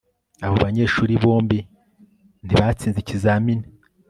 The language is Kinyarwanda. abo banyeshuri bombi ntibatsinze ikizamini